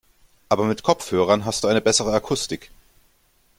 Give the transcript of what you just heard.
Aber mit Kopfhörern hast du eine bessere Akustik.